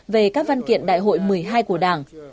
về các văn kiện đại hội một mươi hai của đảng